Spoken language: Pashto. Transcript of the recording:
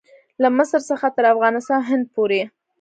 له مصر څخه تر افغانستان او هند پورې.